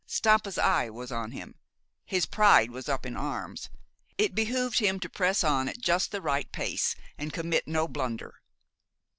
Stampa's eye was on him. His pride was up in arms. It behooved him to press on at just the right pace, and commit no blunder.